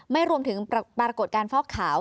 ไม่รวมถึงปรากฏการณฟอกขาว